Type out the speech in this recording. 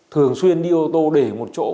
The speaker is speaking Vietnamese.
thường xuyên đi ô tô để một chỗ